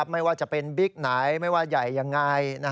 ไม่ว่าจะเป็นบิ๊กไหนไม่ว่าใหญ่ยังไง